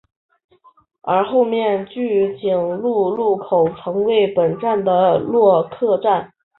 而后面的骏景路路口曾为本站的落客站。